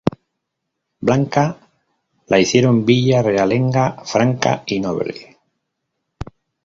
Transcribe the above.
Blanca la hicieron villa realenga, franca y noble.